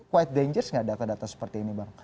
quite dangerous gak data data seperti ini bang